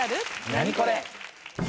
ナニコレ！